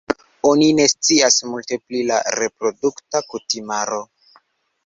Oni ne scias multe pli la reprodukta kutimaro.